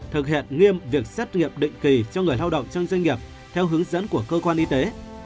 thực hiện nghiêm việc xét nghiệm định kỳ cho người lao động trong doanh nghiệp theo hướng dẫn của cơ quan y tế